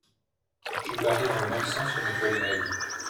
Je veux aller dans le même sens que mes collègues.